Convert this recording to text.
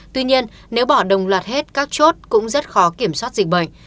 tuy nhiên nếu bỏ đồng loạt hết các chốt cũng rất khó kiểm soát dịch bệnh